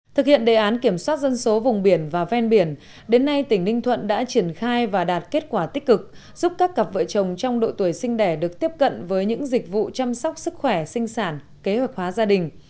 thực hiện đề án kiểm soát dân số vùng biển và ven biển đến nay tỉnh ninh thuận đã triển khai và đạt kết quả tích cực giúp các cặp vợ chồng trong độ tuổi sinh đẻ được tiếp cận với những dịch vụ chăm sóc sức khỏe sinh sản kế hoạch hóa gia đình